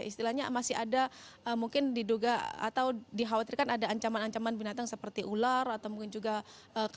istilahnya masih ada mungkin diduga atau dikhawatirkan ada ancaman ancaman binatang seperti ular atau mungkin juga